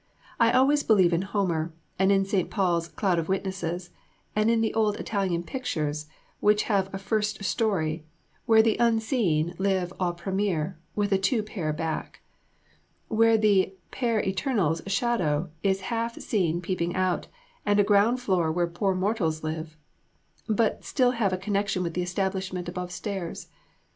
I always believe in Homer; and in St. Paul's "cloud of witnesses"; and in the old Italian pictures, which have a first story, where the Unseen live au premier, with a two pair back, where the Père Eternel's shadow is half seen peeping out, and a ground floor where poor mortals live, but still have a connexion with the establishment above stairs.